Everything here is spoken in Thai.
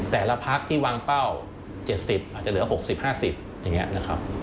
แต่ละพักที่วางเป้า๗๐อาจจะเหลือ๖๐๕๐อย่างนี้นะครับ